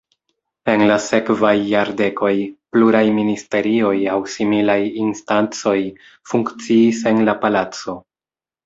En la sekvaj jardekoj pluraj ministerioj aŭ similaj instancoj funkciis en la palaco.